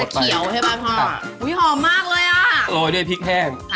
แค่เนี่ยครับ